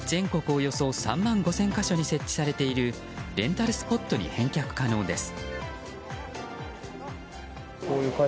およそ３万５０００か所に設置されているレンタルスポットに返却可能です。